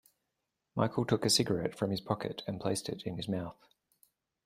Michael took a cigarette from his pocket and placed it in his mouth.